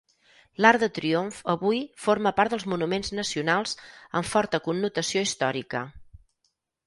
L'Arc de triomf avui forma part dels monuments nacionals amb forta connotació històrica.